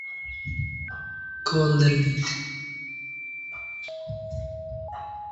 The game was commercially successful in arcades.